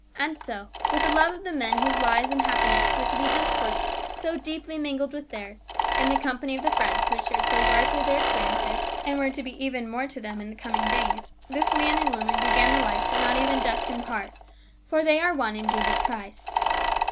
And so, with the love of the men whose lives and happiness were to be henceforth so deeply mingled with theirs, in the company of the friends who had shared so largely of their experiences, and were to be even more to them in coming days, this man and woman began the life that not even death can part, for they are one in Jesus Christ.